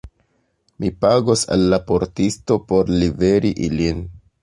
Mi pagos al la portisto por liveri ilin.